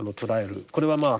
これはまあ